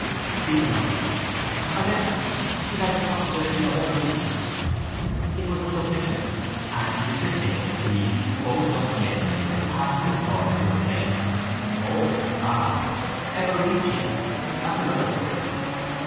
Stephen murmured: —I meant without a possibility of ever reaching. It was a submission and Mr Tate, appeased, folded up the essay and passed it across to him, saying: —O... Ah! ever reaching. That's another story.